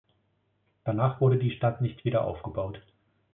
Danach wurde die Stadt nicht wieder aufgebaut.